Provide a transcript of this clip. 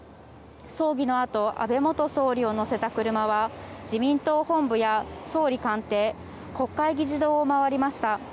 葬儀のあと安倍元総理を乗せた車は自民党本部や総理官邸国会議事堂を回りました。